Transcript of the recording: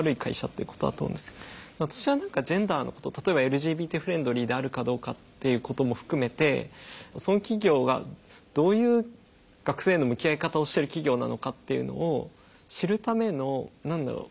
私は何かジェンダーのこと例えばＬＧＢＴフレンドリーであるかどうかっていうことも含めてその企業がどういう学生への向き合い方をしてる企業なのかっていうのを知るための何だろう